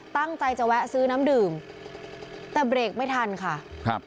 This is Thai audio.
ตั้งใจจะแวะซื้อน้ำดื่มแต่เบรกไม่ทันค่ะครับ